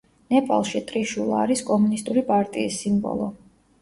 ნეპალში ტრიშულა არის კომუნისტური პარტიის სიმბოლო.